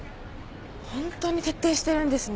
ホントに徹底してるんですね。